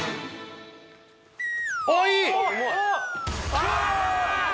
・ああ！